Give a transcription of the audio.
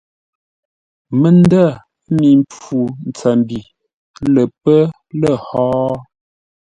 Məndə̂ mi mpfu ntsəmbi lə́ pə́ lə̂ hó?